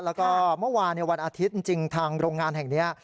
แล้วก็เมื่อวานในวันอาทิตย์จริงทางโรงงานแห่งนี้